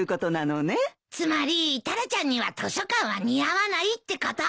つまりタラちゃんには図書館は似合わないってこと。